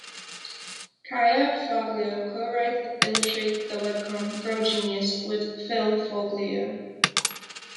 Kaja Foglio co-writes and illustrates the webcomic "Girl Genius" with Phil Foglio.